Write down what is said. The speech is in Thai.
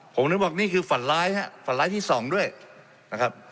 ผมถึงบอกนี่คือฝันร้ายฮะฝันร้ายที่สองด้วยนะครับ